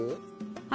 はい。